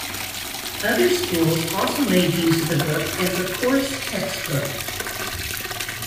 Other schools also made use of the book as a course textbook.